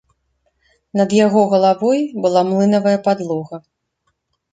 Над яго галавой была млынавая падлога.